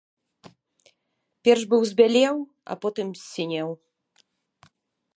Перш быў збялеў, а потым ссінеў.